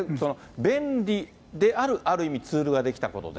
便利である、ある意味ツールが出来たことで。